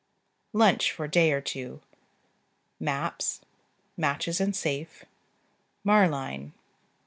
Lunch for day or two. Maps. Matches and safe. Marline.